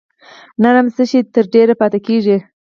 نرم شی تر ډیره پاتې کیږي.